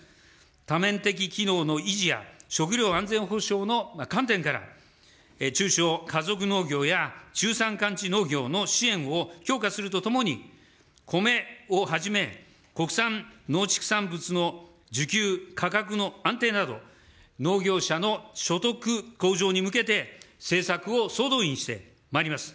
多面的機能の維持や、食料安全保障の観点から、中小家族農業や中山間地農業の支援を強化するとともに、米をはじめ、国産農畜産物の需給、価格の安定など、農業者の所得向上に向けて、政策を総動員してまいります。